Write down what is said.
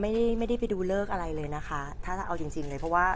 ล่ะเราถึงเวลาแล้วน่า